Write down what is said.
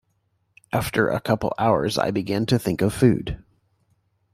After a couple of hours I began to think of food.